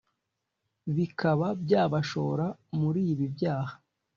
bikaba byabashora muri ibi byaha